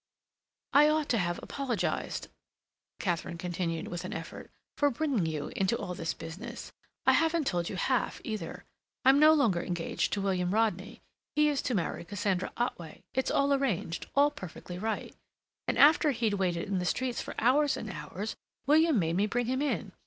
"I ought to have apologized," Katharine continued, with an effort, "for bringing you into all this business; I haven't told you half, either. I'm no longer engaged to William Rodney. He is to marry Cassandra Otway. It's all arranged—all perfectly right.... And after he'd waited in the streets for hours and hours, William made me bring him in.